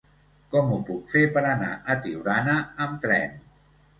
Com ho puc fer per anar a Tiurana amb tren?